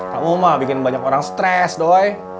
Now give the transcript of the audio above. kamu mah bikin banyak orang stress doi